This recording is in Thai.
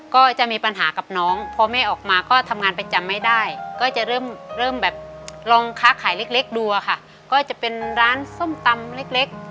ก็จะมีปัญหากับน้องพอแม่ออกมาก็ทำงานประจำไม่ได้ก็จะเริ่มเริ่มแบบลองค้าขายเล็กดูอะค่ะก็จะเป็นร้านส้มตำเล็ก